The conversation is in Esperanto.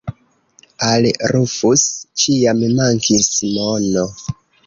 Al Rufus ĉiam mankis mono.